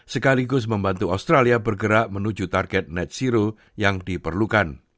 sekaligus membantu australia bergerak menuju target net zero yang diperlukan